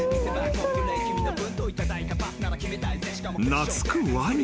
［懐くワニ。